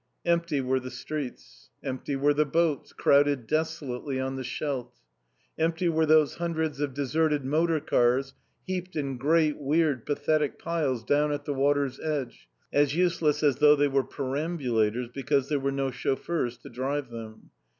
Empty were the streets. Empty were the boats, crowded desolately on the Scheldt. Empty were those hundreds of deserted motor cars, heaped in great weird, pathetic piles down at the water's edge, as useless as though they were perambulators, because there were no chauffeurs to drive them.